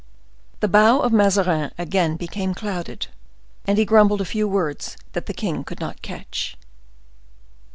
The brow of Mazarin again became clouded, and he grumbled a few words that the king could not catch.